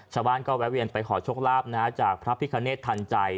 ชาวบ้านก็แวะเวียนไปขอโชคลาภจากพระพิคเนธทันใจ